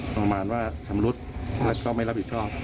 หม่อมานว่าทำรุ๊ดก็ไม่รับผิดขอบ